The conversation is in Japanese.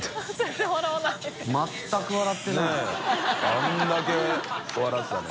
あれだけ笑ってたのに。